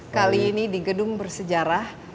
kali ini di gedung bersejarah